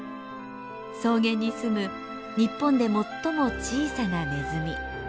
草原に住む日本で最も小さなネズミ。